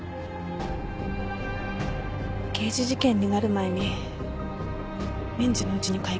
刑事事件になる前に民事のうちに解決する。